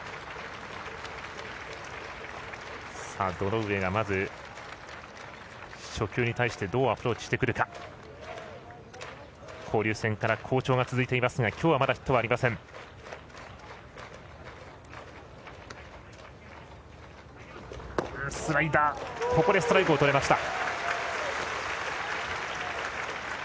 堂上、交流戦から好調が続いていますがきょうはまだヒットはありません。